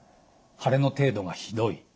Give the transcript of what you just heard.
腫れの程度がひどい。